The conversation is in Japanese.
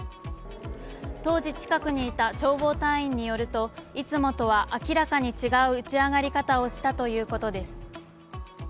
当時、近くにいた消防隊員によるといつもとは明らかに違う打ち上がり方をしたということです。